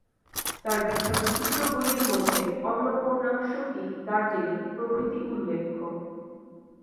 তার বিখ্যাত চিত্রগুলির মধ্যে অন্নপূর্ণা, সতী, দার্জিলিং প্রভৃতি উল্লেখ্য।